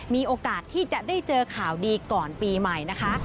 มีโอกาสที่จะได้เจอข่าวดีก่อนปีใหม่นะคะ